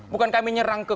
dan kami nyerang ke dua